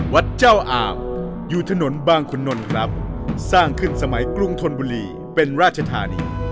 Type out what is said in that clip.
วัดเจ้าอาบอยู่ถนนบางขุนนลครับสร้างขึ้นสมัยกรุงธนบุรีเป็นราชธานี